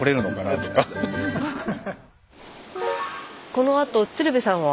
このあと鶴瓶さんは？